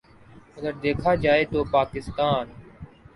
اگر دیکھا جائے تو پاکستان